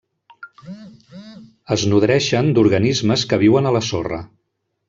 Es nodreixen d'organismes que viuen a la sorra.